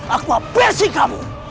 aku akan bersihkanmu